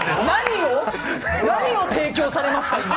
何を提供されました？